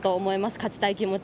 勝ちたい気持ち。